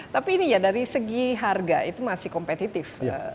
tapi ini ya dari segi harga itu masih kompetitif